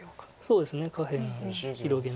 そうですね下辺を広げながら。